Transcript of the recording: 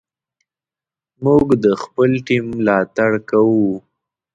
موږ د خپل ټیم ملاتړ کوو.